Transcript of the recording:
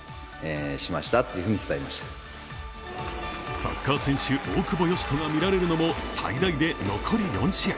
サッカー選手・大久保嘉人が見られるのも最大で残り４試合。